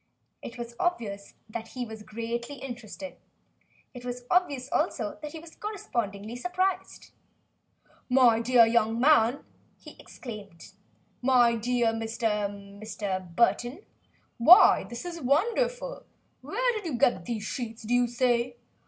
It was obvious that he was greatly interested. It was obvious, also, that he was correspondingly surprised. "My dear young man," he exclaimed, "my dear Mr. Mr. Burton why, this is wonderful! Where did you get these sheets, do you say?